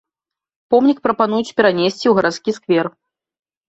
Помнік прапануюць перанесці ў гарадскі сквер.